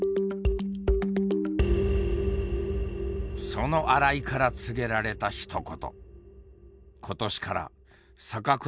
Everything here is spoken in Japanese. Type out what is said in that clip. その新井から告げられたひと言。